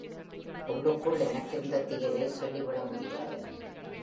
உள்ளுக்குள் எனக்கிருந்த திகிலைச் சொல்லி முடியாது.